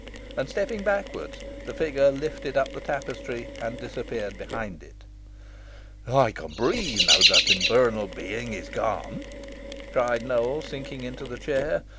And stepping backwards, the figure lifted up the tapestry, and disappeared behind it. "I can breathe, now that infernal being is gone," cried Nowell, sinking into the chair.